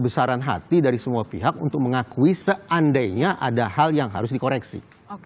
besaran hati dari semua pihak untuk mengakui seandainya ada hal yang harus dikoreksi